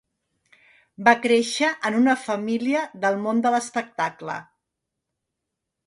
Va créixer en una família del món de l'espectacle.